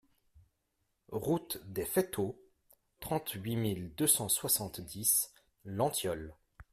Route des Feytaux, trente-huit mille deux cent soixante-dix Lentiol